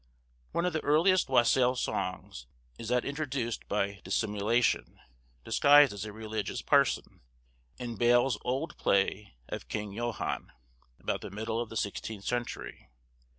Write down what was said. One of the earliest wassail songs is that introduced by Dissimulation, disguised as a religious person, in Bale's old play of Kynge Johan, about the middle of the sixteenth century.